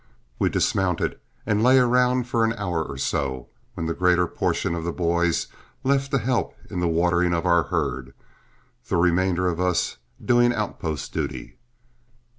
We dismounted and lay around for an hour or so, when the greater portion of the boys left to help in the watering of our herd, the remainder of us doing outpost duty.